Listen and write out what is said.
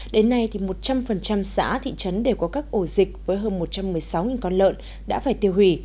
đến nay một trăm linh xã thị trấn đều có các ổ dịch với hơn một trăm một mươi sáu con lợn đã phải tiêu hủy